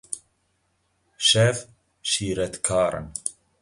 Şev şîretkar in.